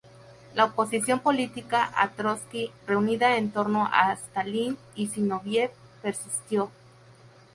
La oposición política a Trotski, reunida en torno a Stalin y Zinóviev, persistió.